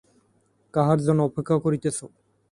কাহার জন্য অপেক্ষা করিতেছ।